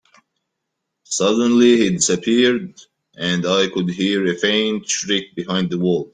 Suddenly, he disappeared, and I could hear a faint shriek behind the walls.